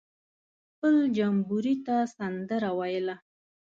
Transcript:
خپل جمبوري ته سندره ویله.